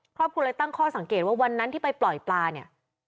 ครอบครัวเลยตั้งข้อสังเกตว่าวันนั้นที่ไปปล่อยปลาเนี่ย